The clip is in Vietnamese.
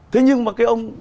thế nhưng mà cái ông